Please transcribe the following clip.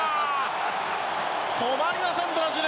止まりません、ブラジル！